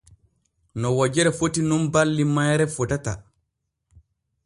No wojere foti nun balli mayre fotata.